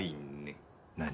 何？